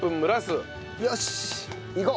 よし！